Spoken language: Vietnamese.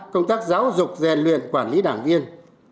công tác giáo dục rèn luyện quản lý đảng viên